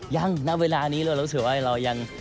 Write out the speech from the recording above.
ณเวลานี้เรารู้สึกว่าเรายัง